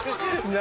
何？